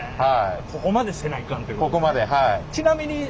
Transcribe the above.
ここまでせないかんってことですね。